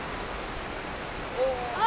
あ！